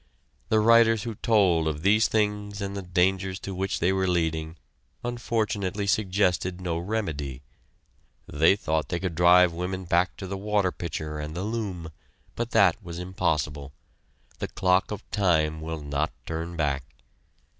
The writers who told of these things and the dangers to which they were leading unfortunately suggested no remedy. They thought they could drive women back to the water pitcher and the loom, but that was impossible. The clock of time will not turn back.